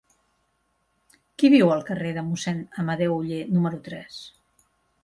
Qui viu al carrer de Mossèn Amadeu Oller número tres?